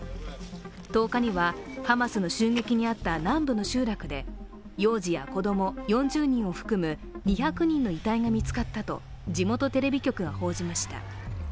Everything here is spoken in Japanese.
１０日にはハマスの襲撃に遭った南部の集落で幼児や子供４０人を含む２００人の遺体が見つかったと地元テレビ局が報じました。